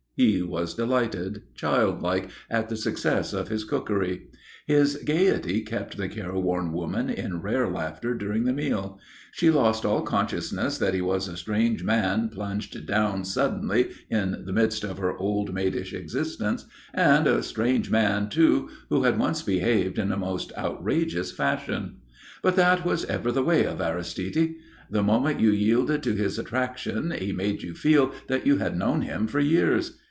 He was delighted, childlike, at the success of his cookery. His gaiety kept the careworn woman in rare laughter during the meal. She lost all consciousness that he was a strange man plunged down suddenly in the midst of her old maidish existence and a strange man, too, who had once behaved in a most outrageous fashion. But that was ever the way of Aristide. The moment you yielded to his attraction he made you feel that you had known him for years.